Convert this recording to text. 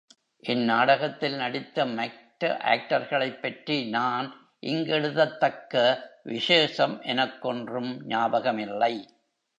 இந் நாடகத்தில் நடித்த மற்ற ஆக்டர்களைப்பற்றி நான் இங்கெழுதத்தக்க விசேஷம் எனக்கொன்றும் ஞாபகமில்லை.